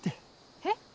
えっ。